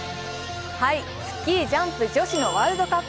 スキージャンプ女子のワールドカップ。